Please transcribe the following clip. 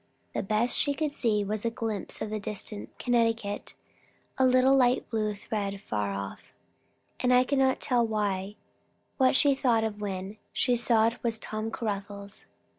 The best she could see was a glimpse of the distant Connecticut, a little light blue thread afar off; and I cannot tell why, what she thought of when she saw it was Tom Caruthers.